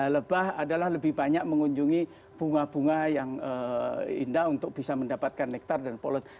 lebah adalah lebih banyak mengunjungi bunga bunga yang indah untuk bisa mendapatkan nektar dan polot